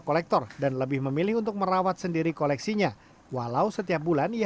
kolektor dan lebih memilih untuk merawat sendiri koleksinya walau setiap bulan ia